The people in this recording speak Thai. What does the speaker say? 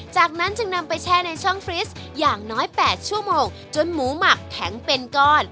จากนั้นจึงนำไปแช่ในช่องฟริสอย่างน้อย๘ชั่วโมงจนหมูหมักแข็งเป็นก้อน